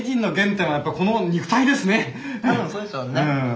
多分そうでしょうね。